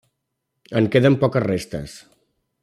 En queden poques restes.